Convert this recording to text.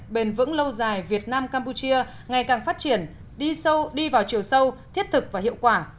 bền vững lâu dài việt nam campuchia ngày càng phát triển đi sâu đi vào chiều sâu thiết thực và hiệu quả